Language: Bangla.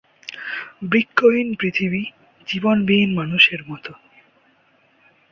বৃক্ষহীন পৃথিবী জীবনবিহীন মানুষের মতো।